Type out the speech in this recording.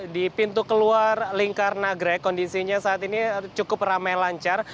di pintu keluar lingkar nagrek kondisinya saat ini cukup ramai lancar